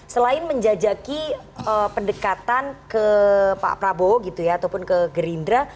selain menjajaki pendekatan ke pak prabowo gitu ya ataupun ke gerindra